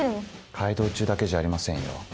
海堂中だけじゃありませんよ。